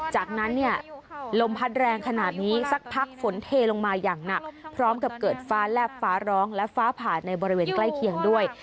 จากนั้นเนี่ยลมพัดแรงขนาดนี้สักพักฝนเทลงมาอย่างหนักพร้อมกับเกิดฟ้าแลบฟ้าร้องและฟ้าผ่าในบริเวณใกล้เคียงด้วย